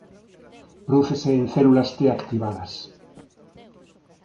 Prodúcese en células T activadas.